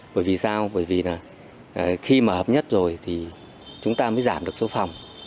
bởi vì sao bởi vì là khi mà hợp nhất rồi thì chúng ta mới giảm được số phòng